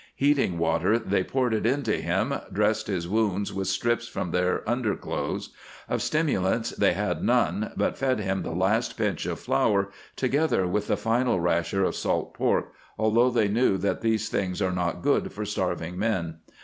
Heating water, they poured it into him, dressing his wounds with strips from their underclothes. Of stimulants they had none, but fed him the last pinch of flour, together with the final rasher of salt pork, although they knew that these things are not good for starving men.